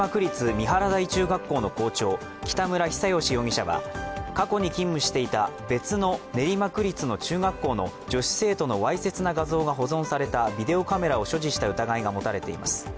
三原台中学校の校長、北村比左嘉容疑者は過去に勤務していた別の練馬区立の中学校の女子生徒のわいせつな画像が保存されたビデオカメラを所持した疑いが持たれています。